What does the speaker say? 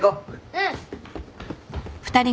うん。